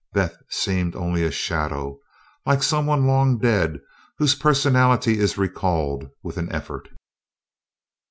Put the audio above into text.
Beth seemed only a shadow like someone long dead whose personality is recalled with an effort.